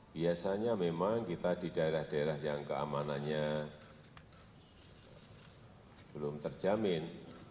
biasanya memang kita di daerah daerah yang keamanannya belum terjamin